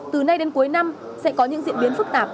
từ nay đến cuối năm sẽ có những diễn biến phức tạp